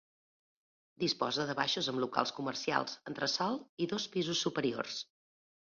Disposa de baixos amb locals comercials, entresòl i dos pisos superiors.